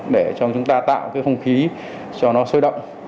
để cho chúng ta tạo cái không khí cho nó sôi động